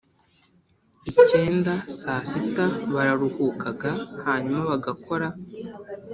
icyenda I saa sita bararuhukaga hanyuma bagakora